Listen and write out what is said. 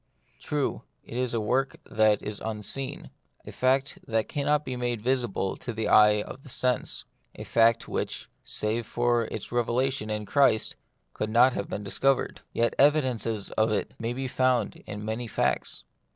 True, it is a work that is unseen, a fact that cannot be made visible to the eye of sense, a fact which, save for its revelation in Christ, could not have been discovered. Yet evidences of it may be found in many facts.